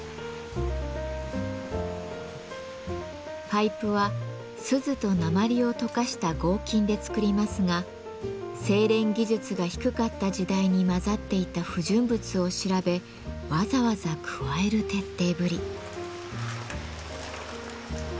パイプは錫と鉛を溶かした合金で作りますが精錬技術が低かった時代に混ざっていた不純物を調べわざわざ加える徹底ぶり。